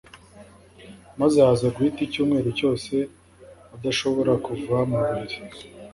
maze haza guhita icyumweru cyose adashobora kuva mu buriri